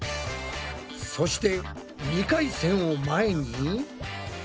そして２回戦を前に。